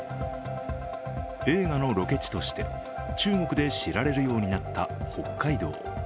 映画のロケ地として中国で知られるようになった北海道。